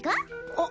あっ。